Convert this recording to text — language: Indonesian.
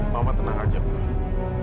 mama tenang aja dok